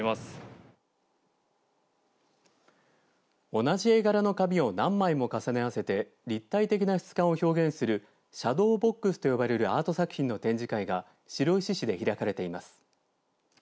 同じ絵柄の紙を何枚も重ね合わせて立体的な質感を表現するシャドーボックスと呼ばれるアート作品の展示会が白石市で開かれています。